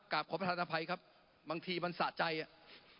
ขอประธานอภัยครับบางทีมันสะใจอ่ะ